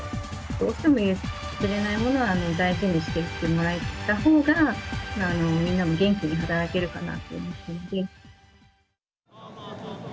どうしても譲れないものは大事にしていってもらったほうが、みんなも元気に働けるかなと思って。